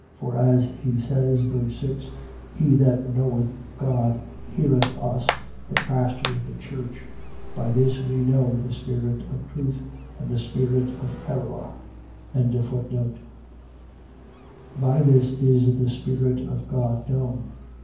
For as he says, (ver. 6,) He that knoweth God, heareth us [the pastors of the church]. By this we know the spirit of truth, and the spirit of error. 4:2. By this is the spirit of God known.